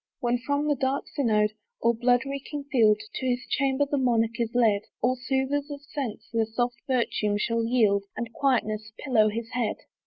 When from the dark synod, or blood reeking field, To his chamber the monarch is led, All soothers of sense their soft virtue shall yield, And quietness pillow his head.